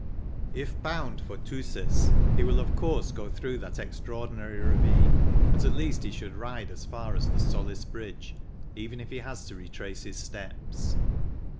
If bound for Thusis, he will, of course, go through that extra ordinary ravine, but at least he should ride as far as the Solis Bridge even if he has to retrace his steps.